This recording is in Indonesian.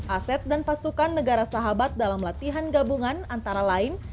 aset dan pasukan negara sahabat dalam latihan gabungan antara lain